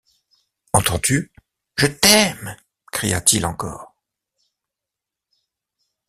Entends-tu ? je t’aime ! cria-t-il encore.